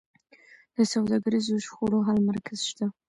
د سوداګریزو شخړو حل مرکز شته؟